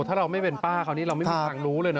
ถ้าเราไม่เป็นป้าเค้านี่เราไม่รู้รู้เลย